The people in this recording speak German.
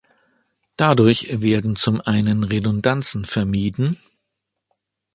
Dadurch werden zum einen Redundanzen vermieden.